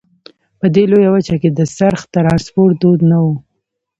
په دې لویه وچه کې د څرخ ټرانسپورت دود نه وو.